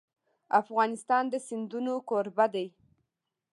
افغانستان د سیندونه کوربه دی.